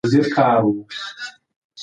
حکومت د موخو له پاره نوي پروګرامونه جوړ کړل.